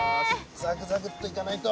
ザクザクッといかないと。